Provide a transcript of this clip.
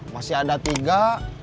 masih ada tiga